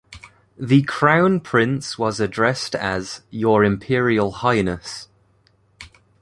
The crown prince was addressed as 'Your Imperial Highness'.